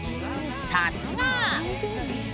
さすが！